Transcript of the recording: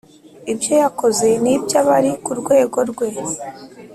Ibyo yakoze ni iby’abari ku rwego rwe